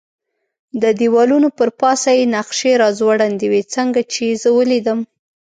د دېوالونو پر پاسه یې نقشې را ځوړندې وې، څنګه چې یې زه ولیدلم.